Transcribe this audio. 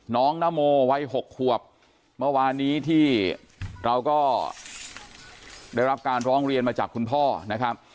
นโมวัย๖ขวบเมื่อวานนี้ที่เราก็ได้รับการร้องเรียนมาจากคุณพ่อนะครับ